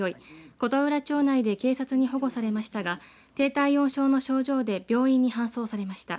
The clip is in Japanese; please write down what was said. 琴浦町内で警察に保護されましたが低体温症の症状で病院に搬送されました。